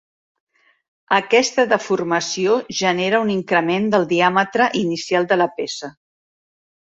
Aquesta deformació genera un increment del diàmetre inicial de la peça.